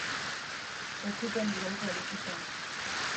Ez zuten iraultzarik izan.